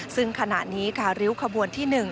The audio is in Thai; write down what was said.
ซึ่งขณะนี้ค่ะริ้วขบวนที่๑